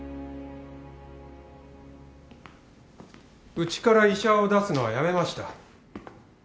うちから医者を出すのはやめました。